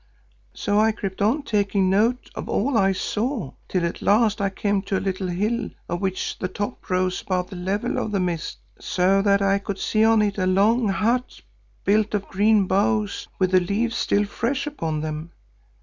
"So I crept on taking note of all I saw, till at last I came to a little hill of which the top rose above the level of the mist, so that I could see on it a long hut built of green boughs with the leaves still fresh upon them.